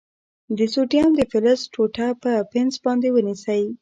د سوډیم د فلز ټوټه په پنس باندې ونیسئ.